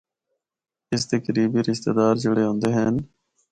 اس دے قریبی رشتہ دار جِڑے ہوندے ہن۔